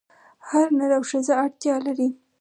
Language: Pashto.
هر نر او ښځه اړتیا لري.